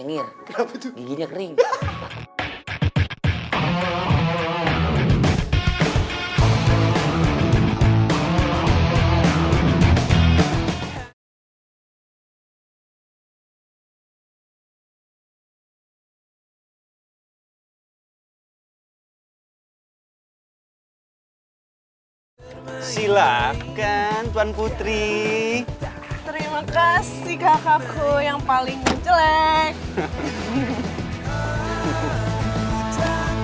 silakan tuan putri terima kasih kakakku yang paling jelek